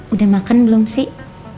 udah makan belum sih